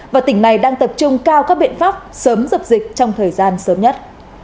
và tỉnh này đang tập trung cao các biện pháp sớm dập dịch trong thời gian sớm nhất